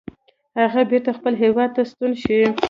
هغه بیرته خپل هیواد ته ستون شي.